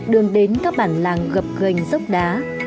đường đến các bản làng gập gành dốc đá